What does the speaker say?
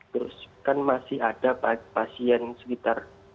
terus kan masih ada pasien sekitar